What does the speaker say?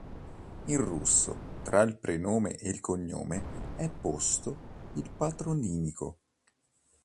In russo, tra il prenome e il cognome è posto il patronimico.